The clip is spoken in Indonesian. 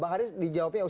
pak haris dijawabin ya